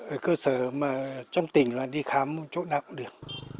ở cơ sở mà trong tỉnh là đi khám chỗ nào cũng được